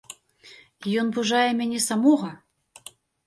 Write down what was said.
І ён пужае мяне самога.